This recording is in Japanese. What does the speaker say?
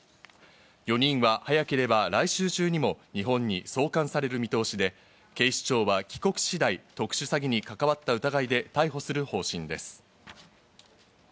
４人は早ければ来週中にも日本に送還される見通しで、警視庁は帰国次第、特殊詐欺に関わった疑いで逮捕する方針です。